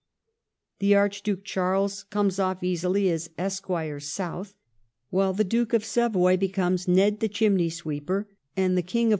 The Arch duke Charles comes ofi* easily as Esquire South, while the Duke of Savoy becomes Ned the Chimney sweeper, and the King of.